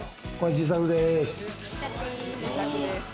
自宅です。